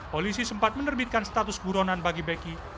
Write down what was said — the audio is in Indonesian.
polisi sempat menerbitkan status buronan bagi beki